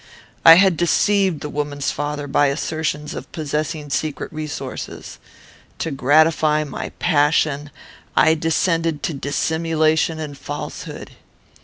I had deceived the woman's father by assertions of possessing secret resources. To gratify my passion, I descended to dissimulation and falsehood.